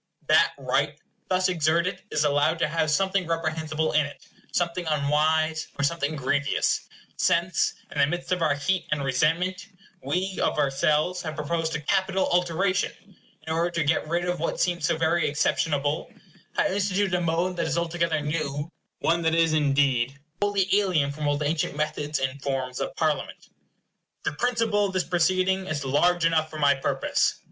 That right thus exerted is allowed to have something reprehensible in it, something unwise, or something grievous; since, in the midst of our heat and resentment, we, of ourselves, have proposed a capital alteration; and in order to get rid of what seemed so very exceptionable, have instituted a mode that is altogether new; one that is, indeed, wholly alien from all the ancient methods and forms of Parliament. The principle of this proceeding is large enough for my purpose.